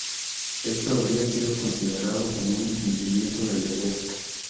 Esto habría sido considerado como un incumplimiento del deber.